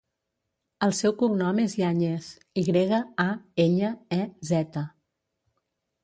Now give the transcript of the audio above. El seu cognom és Yañez: i grega, a, enya, e, zeta.